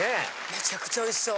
めちゃくちゃおいしそう。